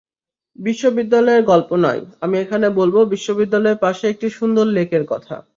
বিশ্ববিদ্যালয়ের গল্প নয়, আমি এখানে বলব বিশ্ববিদ্যালয়ের পাশে একটি সুন্দর লেকের কথা।